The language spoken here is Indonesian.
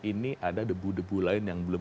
ini ada debu debu lain yang belum